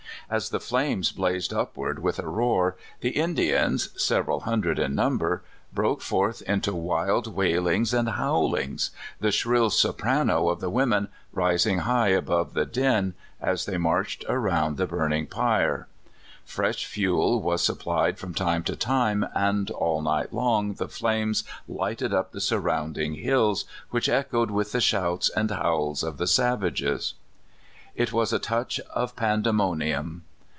As the flames blazed upward with a roar, the Indians, several hundred in number, broke forth into wild wailings and bowlings, the shrill soprano of the women rising high above the din, as they marched around the burning pyre. Fresh fuel was supplied from time to time, and all nii^ht long the flames lighted up the surrounding hills, which echoed with the shouts and howls of the savages. It was a touch of Pandemonium.